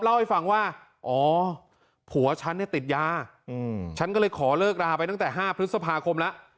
เล่าให้ฟังว่าอ๋อผัวฉันเนี่ยติดยาฉันก็เลยขอเลิกราไปตั้งแต่๕พฤษภาคมแล้ว